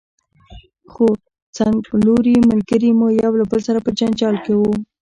خو څنګلوري ملګري مو یو له بل سره په جنجال وو.